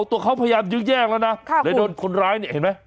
ตัวเขาพยายามยื้อแย่งแล้วนะเลยโดนคนร้ายเนี่ยเห็นไหม